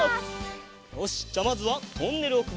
よしじゃあまずはトンネルをくぐります。